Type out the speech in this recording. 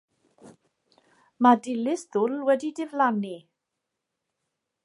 Mae Dilys Ddwl wedi diflannu.